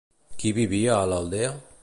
Qui vivia a l'aldea?